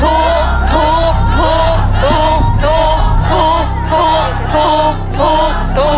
ถูกถูกถูกถูก